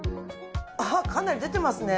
あっかなり出てますね。